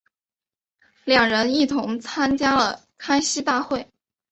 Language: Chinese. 两人一同参加了开西大会。